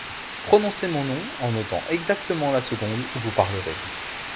Prononcez mon nom en notant exactement la seconde où vous parlerez.